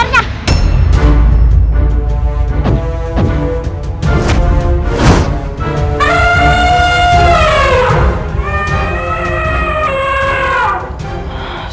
aku tidak tahu siapa aku sebenarnya